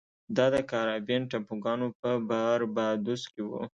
دا د کارابین ټاپوګانو په باربادوس کې و.